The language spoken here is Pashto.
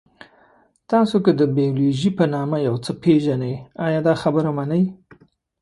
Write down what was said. تاسو که د بیولوژي په نامه یو څه پېژنئ، ایا دا خبره منئ؟